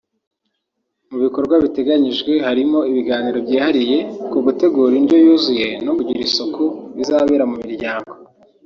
Mu bikorwa biteganyijwe harimo ibiganiro byihariye ku gutegura indyo yuzuye no kugira isuku bizabera mu miryango